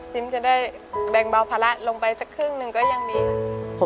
จะได้แบ่งเบาภาระลงไปสักครึ่งหนึ่งก็ยังดีค่ะ